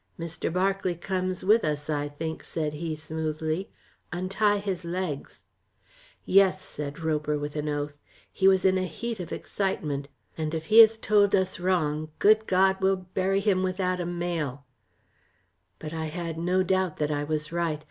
"Mr. Berkeley comes with us, I think," said he smoothly, "untie his legs." "Yes," said Roper with an oath. He was in a heat of excitement. "And if he has told us wrong, good God, we'll bury him with Adam Mayle." But I had no doubt that I was right.